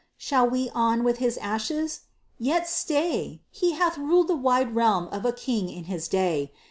Shall we on with his ashes? Yet, stay! He hath ruled the wide realm of a king in his day!